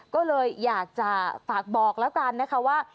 ก็เลยอยากจะฝากบอกแล้วกันนะคะว่า